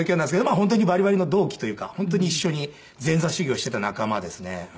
まあ本当にバリバリの同期というか本当に一緒に前座修業していた仲間ですね。